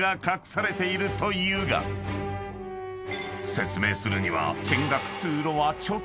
［説明するには］